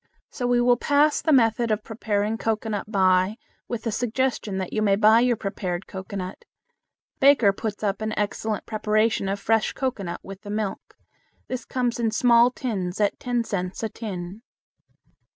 So we will pass the method of preparing cocoanut by with the suggestion that you buy your prepared cocoanut. Baker puts up an excellent preparation of fresh cocoanut with the milk. This comes in small tins at ten cents a tin.